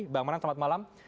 bang manan selamat malam